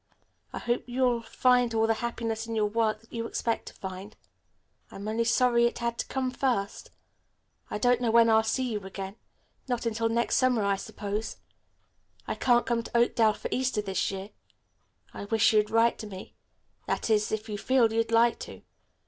I hope you'll find all the happiness in your work that you expect to find. I'm only sorry it had to come first. I don't know when I'll see you again. Not until next summer, I suppose. I can't come to Oakdale for Easter this year. I wish you'd write to me that is, if you feel you'd like to.